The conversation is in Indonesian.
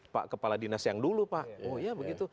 pak kepala dinas yang dulu pak oh ya begitu